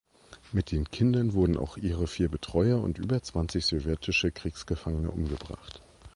Mit den Kindern wurden auch ihre vier Betreuer und über zwanzig sowjetische Kriegsgefangene umgebracht.